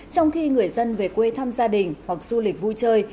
trong khi người dân về quê thăm gia đình hoặc du lịch vui chơi